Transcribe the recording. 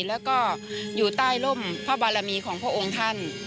แล้วก็อยู่ใต้ร่มพระบารมีของพระองค์ท่าน